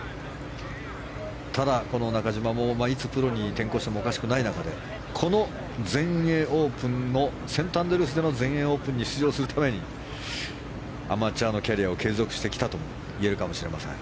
ただ、この中島もいつプロに転向してもおかしくない中でこのセントアンドリュースでの全英オープンに出場するためにアマチュアのキャリアを継続してきたと言えるかもしれません。